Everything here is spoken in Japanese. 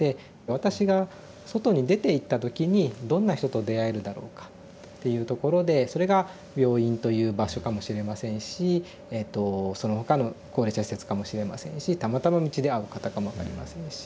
私が外に出ていった時にどんな人と出会えるだろうかっていうところでそれが病院という場所かもしれませんしそのほかの高齢者施設かもしれませんしたまたま道で会う方かも分かりませんし。